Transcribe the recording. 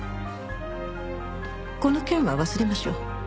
この件は忘れましょう。